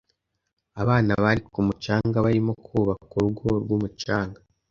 Abana bari ku mucanga barimo kubaka urugo rwumucanga.